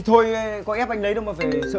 tiền mà được đâu